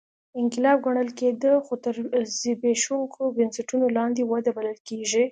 انقلاب ګڼل کېده خو تر زبېښونکو بنسټونو لاندې وده بلل کېږي